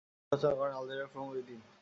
তিনি রচনা করেন Algeria from within.